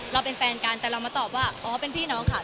เราเป็นแฟนกันแต่เรามาตอบว่าอ๋อเป็นพี่น้องค่ะ